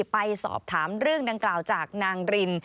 ไปสอบถามเรื่องดังกล่าวจากนางริน